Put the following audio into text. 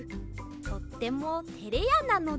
とってもてれやなので。